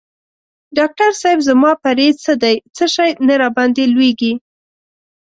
ډاکټر صېب زما پریز څه دی څه شی نه راباندي لویږي؟